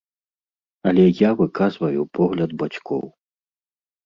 Але я выказваю погляд бацькоў.